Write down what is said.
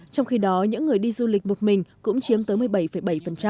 trong khi đó những người đi du lịch một mình cũng chiếm tới một mươi bảy bảy